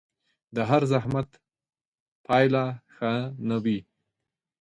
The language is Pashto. د هر زحمت پايله ښه نه وي